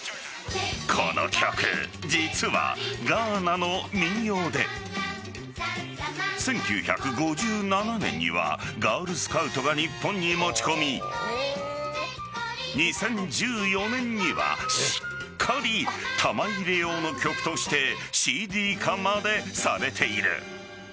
この曲、実はガーナの民謡で１９５７年にはガールスカウトが日本に持ち込み２０１４年にはしっかり玉入れ用の曲としてＣＤ化までされている。